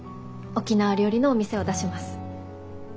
沖縄料理のお店を出します。